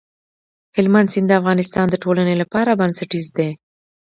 هلمند سیند د افغانستان د ټولنې لپاره بنسټيز دی.